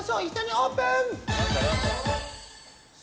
オープン！